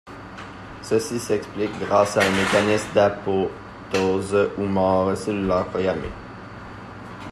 Ceci s'explique grâce un mécanisme d'apoptose ou mort cellulaire programmée.